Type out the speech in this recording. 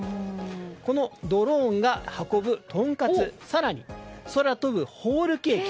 このドローンが運ぶトンカツ更に空飛ぶホールケーキ。